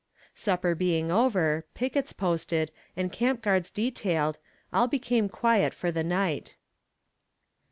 Supper being over, pickets posted, and camp guards detailed, all became quiet for the night.